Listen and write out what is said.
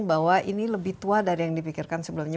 bahwa ini lebih tua dari yang dipikirkan sebelumnya